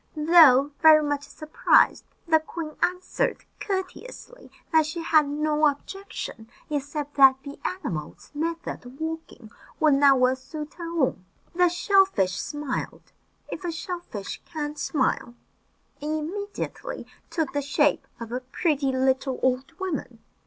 Though very much surprised, the queen answered courteously that she had no objection, except that the animal's method of walking would not well suit her own. The shell fish smiled if a shell fish can smile and immediately took the shape of a pretty little old woman.